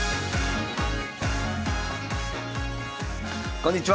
こんにちは！